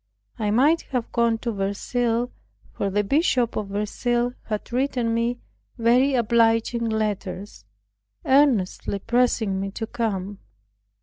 I might have gone to Verceil; for the Bishop of Verceil had written me very obliging letters, earnestly pressing me to come.